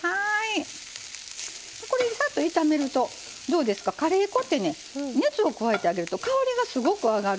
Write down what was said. ぱっと炒めるとどうですかカレー粉ってね熱を加えてあげると香りがすごく上がるの。